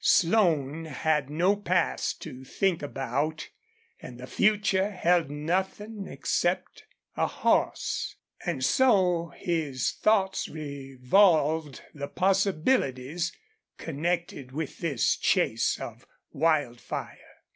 Slone had no past to think about, and the future held nothing except a horse, and so his thoughts revolved the possibilities connected with this chase of Wildfire.